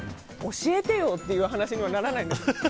教えてよ！っていう話にはならないんですか。